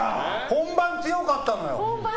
本番強かったのよ。